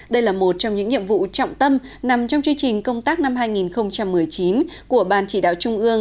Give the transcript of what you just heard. đây là một trong những nhiệm vụ trọng tâm nằm trong chương trình công tác năm hai nghìn một mươi chín của ban chỉ đạo trung ương